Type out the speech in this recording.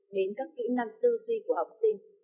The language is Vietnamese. đến các kỹ năng tư duy của học sinh